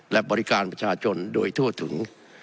และบริการประชาชนโดยทั่วถึง